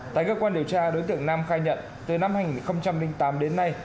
tại cơ quan điều tra đối tượng nam khai nhận từ năm hai nghìn tám đến nay